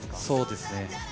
そうですね。